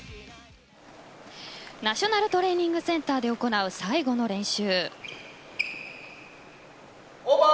ナショナルトレーニングセンターで行う最後の練習。